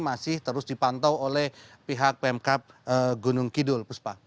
masih terus dipantau oleh pihak pmk gunung kidul